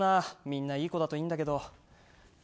みんないい子だといいんだけど。